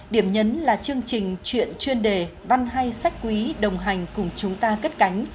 điểm nhấn là chương trình chuyện chuyên đề văn hay sách quý đồng hành cùng chúng ta cất cánh